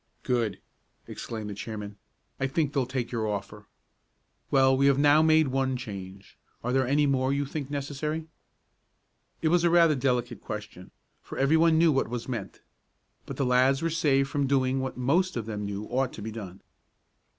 "Good!" exclaimed the chairman. "I think they'll take your offer. Well, we have now made one change. Are there any more that you think necessary?" It was rather a delicate question, for everyone knew what was meant. But the lads were saved from doing what most of them knew ought to be done.